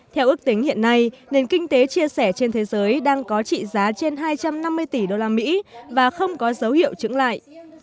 theo ước tính hiện nay nền kinh tế chia sẻ trên thế giới đang có trị giá trên hai trăm năm mươi tỷ đô la mỹ và không có dấu hiệu chứng lại